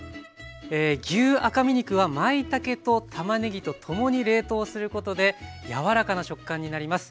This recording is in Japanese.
牛赤身肉はまいたけとたまねぎとともに冷凍することで柔らかな食感になります。